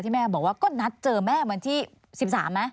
แม่บอกว่าก็นัดเจอแม่วันที่๑๓ไหม